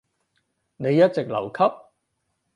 你一直留級？